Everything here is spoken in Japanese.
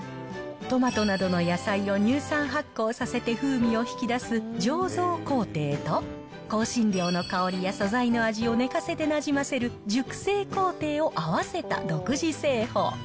トマトなどの野菜を乳酸発酵させて風味を引き出す醸造工程と、香辛料の香りや素材の味を寝かせてなじませる熟成工程を合わせた独自製法。